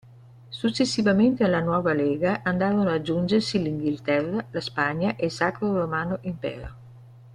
Successivamente alla nuova lega andarono aggiungersi l'Inghilterra, la Spagna e il Sacro Romano Impero.